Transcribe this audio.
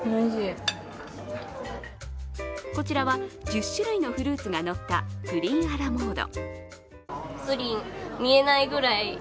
こちらは１０種類のフルーツがのったプリンアラモード。